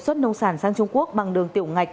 xuất nông sản sang trung quốc bằng đường tiểu ngạch